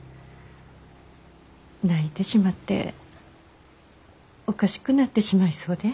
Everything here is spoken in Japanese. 泣いてしまっておかしくなってしまいそうで。